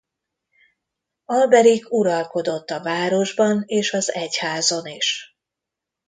Alberik uralkodott a városban és az egyházon is.